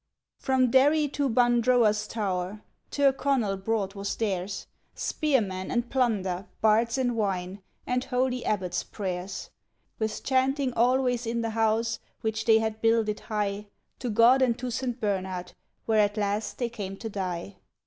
From Derry to Bundrowas Tower, Tirconnell broad was theirs; Spearmen and plunder, bards and wine, and holy abbot's prayers; With chanting always in the house which they had builded high To God and to Saint Bernard, where at last they came to die.